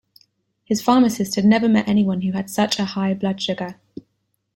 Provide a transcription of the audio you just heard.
His pharmacist had never met anyone who had such a high blood sugar.